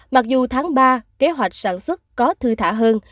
mặc dù tháng ba kế hoạch sản xuất có thư thả hơn